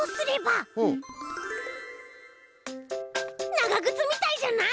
ながぐつみたいじゃない？